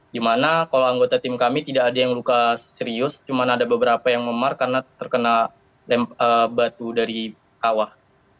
di mana kalau anggota tim kami tidak ada yang luka serius cuma ada beberapa yang memar karena terkena batu dari kawah